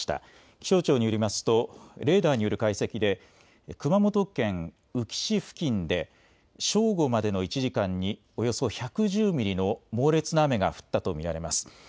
気象庁によりますとレーダーによる解析で熊本県宇城市付近で正午までの１時間におよそ１１０ミリの猛烈な雨が降ったと見られます。